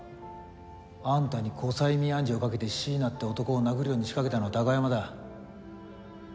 あんたに後催眠暗示をかけて椎名って男を殴るように仕掛けたのは貴山だ。